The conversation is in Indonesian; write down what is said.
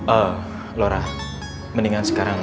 eee lora mendingan sekarang kamu pulang aja